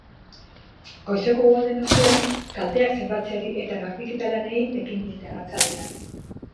Goizeko uholdeen ostean, kalteak zenbatzeari eta garbiketa lanei ekin diete arratsaldean.